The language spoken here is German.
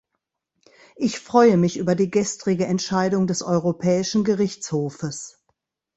Ich freue mich über die gestrige Entscheidung des Europäischen Gerichtshofes.